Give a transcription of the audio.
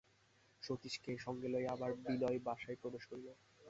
সতীশকে সঙ্গে লইয়া আবার বিনয় বাসায় প্রবেশ করিল।